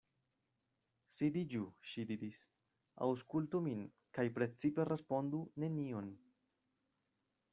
Sidiĝu, ŝi diris, aŭskultu min, kaj precipe respondu nenion.